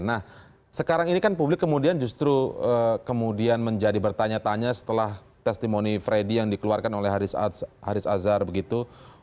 nah sekarang ini kan publik kemudian justru kemudian menjadi bertanya tanya setelah testimoni freddy yang dikeluarkan oleh haris azhar begitu